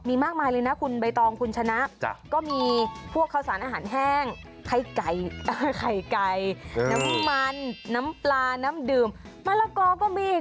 มีมากมายเลยนะคุณใบตองคุณชนะก็มีพวกข้าวสารอาหารแห้งไข่ไก่ไข่ไก่น้ำมันน้ำปลาน้ำดื่มมะละกอก็มี